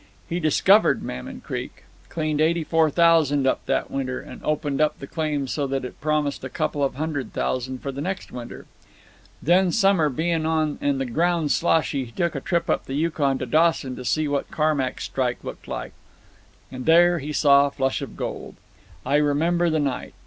He discovered Mammon Creek. Cleaned eighty four thousand up that winter, and opened up the claim so that it promised a couple of hundred thousand for the next winter. Then, summer bein' on and the ground sloshy, he took a trip up the Yukon to Dawson to see what Carmack's strike looked like. And there he saw Flush of Gold. I remember the night.